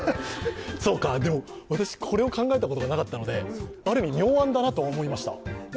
でも私、これを考えたことなかったので、ある意味、妙案だなと思いました。